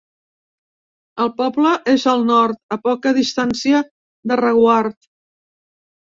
El poble és al nord, a poca distància, de Reguard.